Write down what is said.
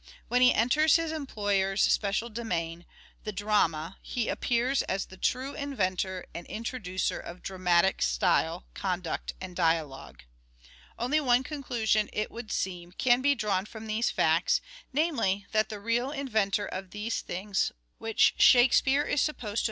When he enters his employer's special domain, the drama, he appears as " the true inventor and introducer of dramatic style, conduct and dialogue." Only one conclusion, it would seem, can be drawn from these facts, namely that the real inventor of 326 " SHAKESPEARE " IDENTIFIED Oxford th« those things, which " Shakespeare " is supposed to innovator.